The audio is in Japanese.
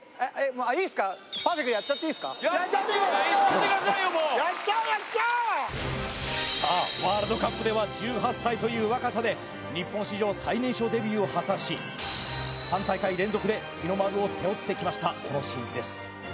もうやっちゃおうやっちゃおうさあワールドカップでは１８歳という若さで日本史上最年少デビューを果たし三大会連続で日の丸を背負ってきました小野伸二です